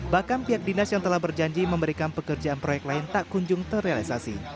bahkan pihak dinas yang telah berjanji memberikan pekerjaan proyek lain tak kunjung terrealisasi